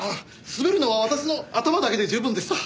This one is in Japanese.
滑るのは私の頭だけで十分でした。